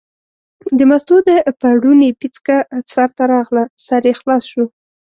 د مستو د پړوني پیڅکه سر ته راغله، سر یې خلاص شو.